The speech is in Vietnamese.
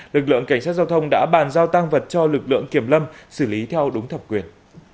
lực lượng cảnh sát giao thông đã bàn giao tăng vật cho lực lượng kiểm lâm xử lý theo đúng thẩm quyền